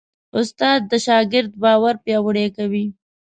استاد د شاګرد باور پیاوړی کوي.